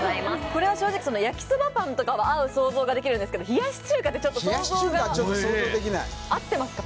これは正直やきそばパンとかは合う想像ができるんですけど冷やし中華ってちょっと想像が冷やし中華は想像ができない合ってますか？